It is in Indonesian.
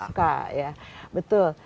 sk ya betul